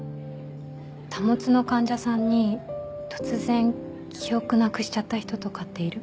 保の患者さんに突然記憶なくしちゃった人とかっている？